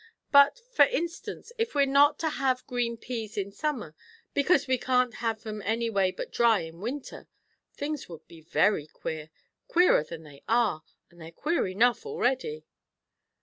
But, for instance, if we're not to have green peas in summer, because we can't have 'em any way but dry in winter, things would be very queer! Queerer than they are; and they're queer enough already."